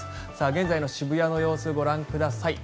現在の渋谷の様子ご覧ください。